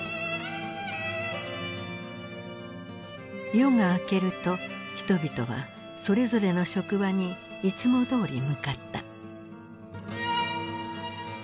夜が明けると人々はそれぞれの職場にいつもどおり向かった。